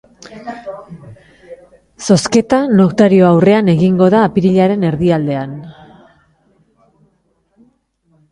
Zozketa notario aurrean egingo da apirilaren erdialdean.